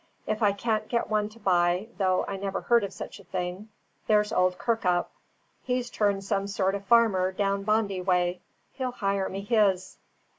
If I can't get one to buy, though I never heard of such a thing, there's old Kirkup, he's turned some sort of farmer down Bondi way; he'll hire me his."